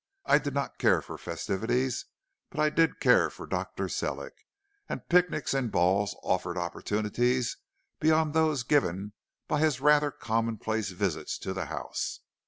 I did not care for festivities, but I did care for Dr. Sellick, and picnics and balls offered opportunities beyond those given by his rather commonplace visits to the house.